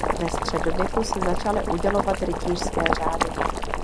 Ve středověku se začaly udělovat rytířské řády.